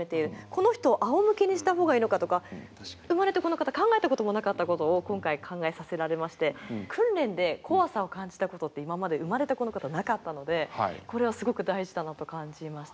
この人をあおむけにしたほうがいいのかとか生まれてこのかた考えたこともなかったことを今回考えさせられまして訓練で怖さを感じたことって今まで生まれてこのかたなかったのでこれはすごく大事だなと感じました。